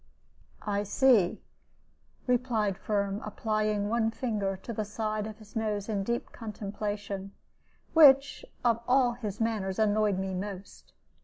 "I see," replied Firm, applying one finger to the side of his nose in deep contemplation, which, of all his manners, annoyed me most.